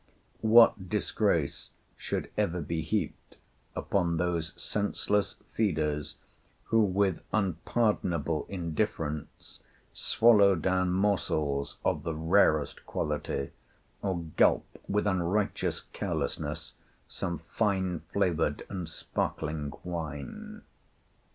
What disgrace should ever be heaped upon those senseless feeders who, with unpardonable indifference, swallow down morsels of the rarest quality, or gulp with unrighteous carelessness some fine flavored and sparkling wine.